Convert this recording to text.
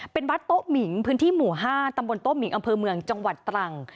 เป็นวัดโต๊ะหมิงพื้นที่หมู่๕ตำบลโต๊มิงอำเภอเมืองจังหวัดตรัง